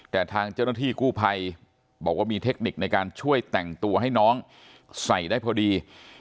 แต่ทางเจ้าหน้าที่กู้ภัยบอกว่ามีเทคนิคในการช่วยแต่งตัวให้น้องใส่ได้พอดี